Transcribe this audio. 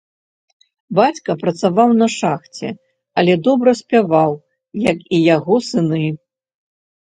Бацька працаваў на шахце, але добра спяваў, як і яго сыны.